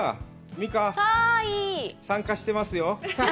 美佳、参加してますよ。